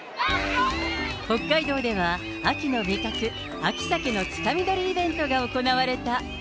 北海道では秋の味覚、秋サケのつかみ取りイベントが行われた。